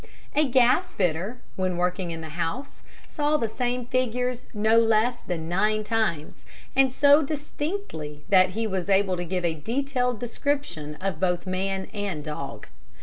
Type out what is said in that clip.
A gasfitter, when working in the house, saw the same figures no less than nine times, and so distinctly that he was able to give a detailed description of both the man and dog.